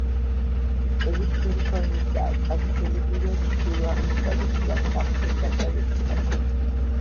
ელიფსური ფორმისაა, წაგრძელებულია ჩრდილო-აღმოსავლეთიდან სამხრეთ-დასავლეთისაკენ.